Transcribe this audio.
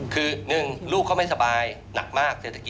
คือหนึ่งลูกเขาไม่สบายหนักมาก